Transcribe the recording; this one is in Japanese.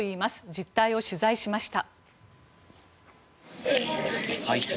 実態を取材しました。